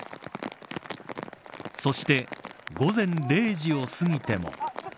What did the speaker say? そして午前０時を過ぎても。